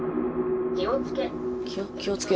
「気をつけ」。